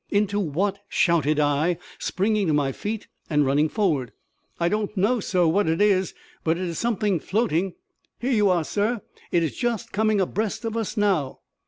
"Into what?" shouted I, springing to my feet and running forward. "I don't know, sir, what it is, but it is something floating. Here you are, sir; it is just coming abreast of us now."